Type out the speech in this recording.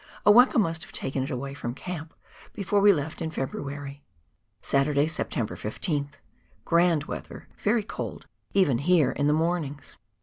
A weka must have taken it away from camp before we left in Feb ruary. Saturday, Septetnber 15ih. — Grand weather, very cold, even here, in the mornings.